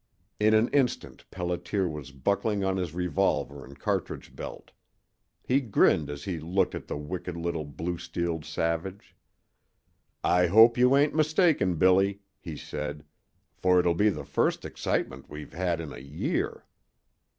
In an instant Pelliter was buckling on his revolver and cartridge belt. He grinned as he looked at the wicked little blue steeled Savage. "I hope you ain't mistaken, Billy," he said, "for it 'll be the first excitement we've had in a year."